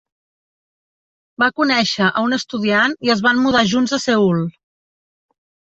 Va conèixer a un estudiant i es van mudar junts a Seül.